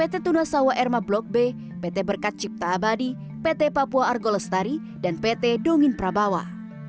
yaitu pt tunasawa erma blok a pt tunasawa erma blok b pt berkat cipta abadi pt papua argo lestari dan pt dongin prabawa